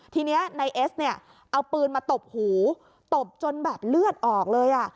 ทีนี้นายเอสเนี่ยเอาปืนมาตบหูตบจนแบบเลือดออกเลยอ่ะ